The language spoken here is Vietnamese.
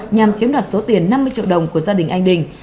nhằm chiếm đoạt số tiền năm mươi triệu đồng của gia đình anh đình